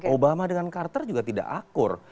obama dengan carter juga tidak akur